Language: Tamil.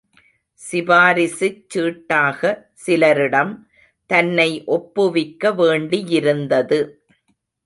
சிபாரிசுச் சீட்டாக சிலரிடம் தன்னை ஒப்புவிக்க வேண்டியிருந்தது.